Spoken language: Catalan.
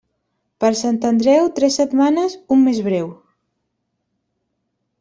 Per Sant Andreu, tres setmanes, un mes breu.